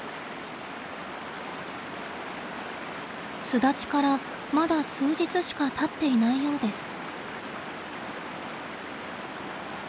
巣立ちからまだ数日しかたっていないようです。